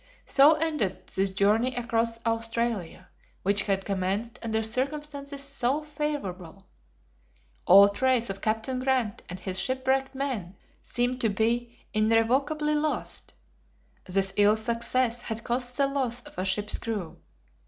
So ended this journey across Australia, which had commenced under circumstances so favorable. All trace of Captain Grant and his shipwrecked men seemed to be irrevocably lost. This ill success had cost the loss of a ship's crew.